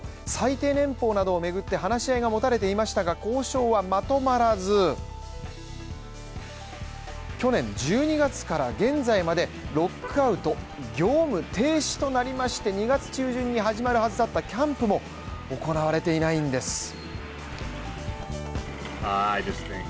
最低年俸などを巡って話し合いが持たれていましたが交渉はまとまらず、去年１２月から、現在までロックアウト＝業務停止となりまして２月中旬に始まるはずだったキャンプも行われていないんです。